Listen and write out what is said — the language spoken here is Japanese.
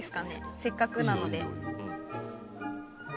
せっかくなので。